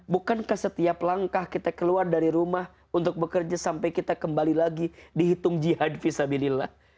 bukankah setiap langkah kita keluar dari rumah untuk bekerja sampai kita kembali lagi dihitung jihad fisabilillah